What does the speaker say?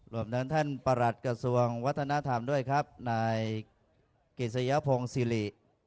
รวมทั้งท่านประหลัดกระทรวงวัฒนธรรมด้วยครับนายกฤษยพงศิริ